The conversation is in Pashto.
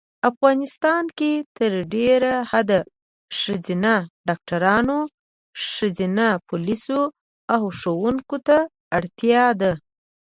افغانیستان کې تر ډېره حده ښځېنه ډاکټرانو ښځېنه پولیسو او ښوونکو ته اړتیا ده